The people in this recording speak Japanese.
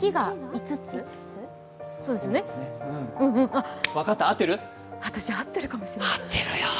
うんうん、私、合ってるかもしれない。